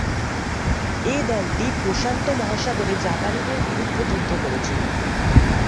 এ দলটি প্রশান্ত মহাসাগরে জাপানিদের বিরুদ্ধে যুদ্ধ করেছিল।